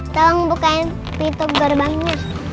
tolong buka pintu berbangun